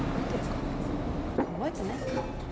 覚えてないか。